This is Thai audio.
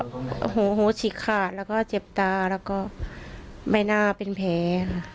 ก็หูหูฉีกค่ะแล้วก็เจ็บตาแล้วก็ไม่น่าเป็นแผล